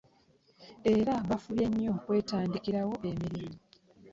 Era bafube nnyo okwetandikirawo emirimu.